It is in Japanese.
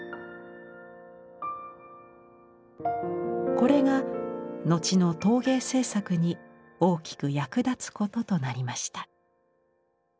これが後の陶芸制作に大きく役立つこととなりました。